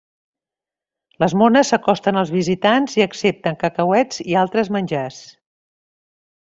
Les mones s'acosten als visitants i accepten cacauets i altres menjars.